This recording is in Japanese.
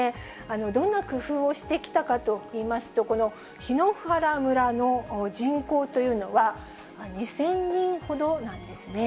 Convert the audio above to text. どんな工夫をしてきたかといいますと、この檜原村の人口というのは２０００人ほどなんですね。